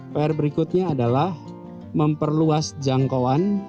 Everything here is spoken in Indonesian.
pr berikutnya adalah memperluas jangkauan